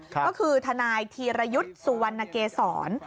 ก็คือทนายธีรยุทธ์สุวรรณเกษร